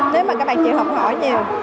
thế mà các bạn chị học hỏi nhiều